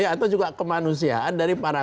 atau juga kemanusiaan dari para